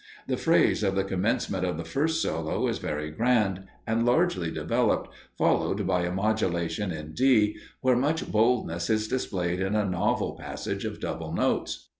The phrase of the commencement of the first solo is very grand, and largely developed, followed by a modulation in D, where much boldness is displayed in a novel passage of double notes.